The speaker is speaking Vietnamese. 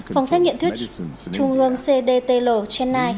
phòng xét nghiệm thuốc trung ương cdtl chennai